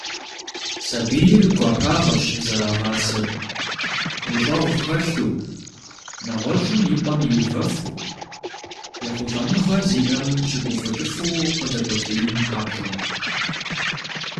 Сабийр гуапагъэщ зэрагъасэр, гущӏэгъу хэлъу, нэгъуэщӏым и пӏэм иувэфу, ехъулӏэныгъэ зиӏэм щыгуфӏыкӏыфу къыдэкӏуэтеин папщӏэ.